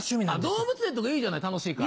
動物園とかいいじゃない楽しいから。